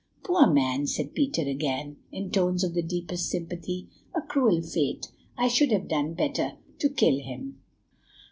"Poor man!" said Peter again, in tones of the deepest sympathy. "A cruel fate; I should have done better to kill him."